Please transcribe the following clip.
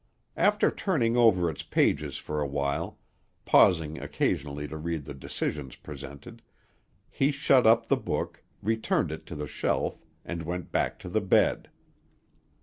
After turning over its pages for a while, pausing occasionally to read the decisions presented, he shut up the book, returned it to the shelf, and went back to the bed.